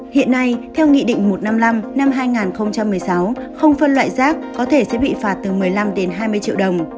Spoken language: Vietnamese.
hiện nay theo nghị định một trăm năm mươi năm năm hai nghìn một mươi sáu không phân loại rác có thể sẽ bị phạt từ một mươi năm đến hai mươi triệu đồng